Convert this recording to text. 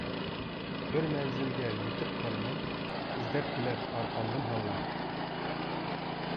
بىر مەنزىلگە يېتىپ قالىمەن، ئىزدەپ كېلەر ئارقامدىن ھاڭلار.